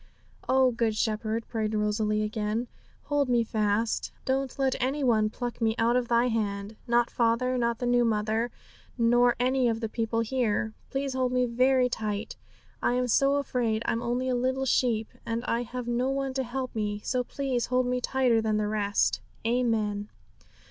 'Oh, Good Shepherd,' prayed Rosalie again, 'hold me fast; don't let any one pluck me out of Thy hand, not father, not the new mother, nor any of the people here. Please hold me very tight; I am so afraid. I'm only a little sheep, and I have no one to help me, so please hold me tighter than the rest. Amen.'